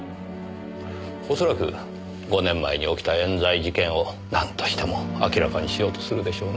恐らく５年前に起きた冤罪事件をなんとしても明らかにしようとするでしょうね。